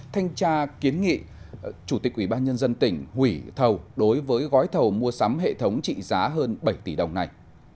thanh tra kiến nghị chủ tịch ubnd tỉnh hủy thầu đối với gói thầu mua sắm hệ thống trị giá hơn bảy tỷ đồng này